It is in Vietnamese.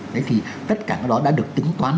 thế thì tất cả cái đó đã được tính toán